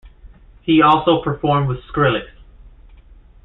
He also performed with Skrillex.